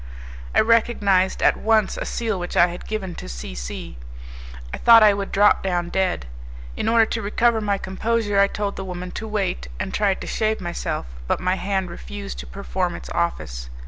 I recognized at once a seal which I had given to C C ; I thought I would drop down dead. In order to recover my composure, I told the woman to wait, and tried to shave myself, but my hand refused to perform its office.